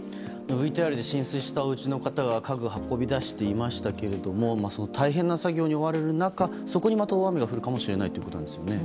ＶＴＲで浸水したおうちの方が家具を運び出していましたけども大変な作業に追われる中そこにまた、大雨が降るかもしれないということですね。